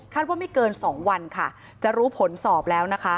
คาดว่าไม่เกิน๒วันจะรู้ผลสอบแล้ว